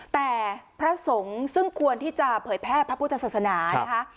แต่พระสงฆ์ซึ่งควรที่จะเผยแพร่พระพุทธศาสนานะคะ